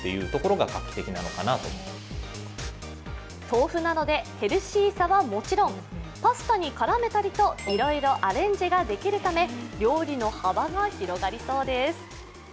豆腐なのでヘルシーさはもちろんパスタに絡めたりと、いろいろアレンジができるため、料理の幅が広がりそうです。